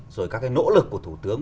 rồi các nỗ lực của thủ tướng